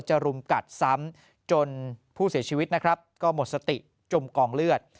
รุมกัดซ้ำจนผู้เสียชีวิตนะครับก็หมดสติจมกองเลือด